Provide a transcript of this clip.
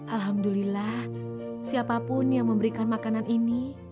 alhamdulillah siapapun yang memberikan makanan ini